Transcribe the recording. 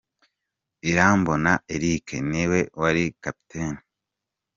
Irambona Eric ni we wari kapiteni.